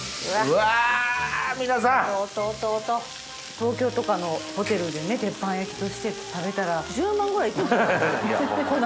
東京とかのホテルで鉄板焼きとして食べたら１０万ぐらいいくんちゃうかな